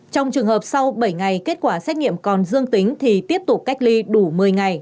trong trường hợp sau bảy ngày kết quả xét nghiệm còn dương tính thì tiếp tục cách ly đủ một mươi ngày